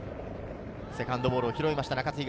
セカンドボールを拾いました中津東。